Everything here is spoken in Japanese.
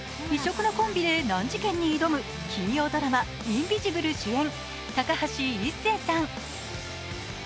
異色のコンビで難事件に挑む金曜ドラマ「インビジブル」主演、高橋一生さん。